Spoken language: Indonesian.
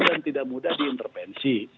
dan tidak mudah diintervensi